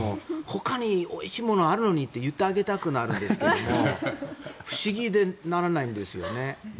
ほかにおいしいものあるのにって言ってあげたくなるんですが不思議でならないんですよね。